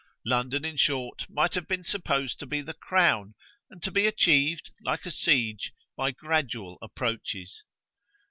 London, in short, might have been supposed to be the crown, and to be achieved, like a siege, by gradual approaches.